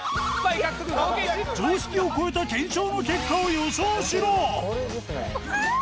常識を超えた検証の結果を予想しろ！